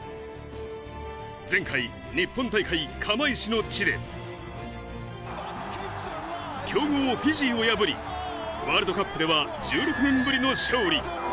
前回、日本大会・釜石の地で強豪・フィジーを破り、ワールドカップでは１６年ぶりの勝利。